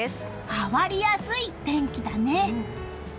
変わりやすい天気だね。